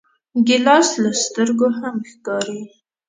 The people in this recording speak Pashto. ګیلاس له سترګو هم ښکاري.